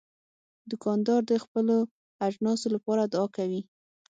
دوکاندار د خپلو اجناسو لپاره دعا کوي.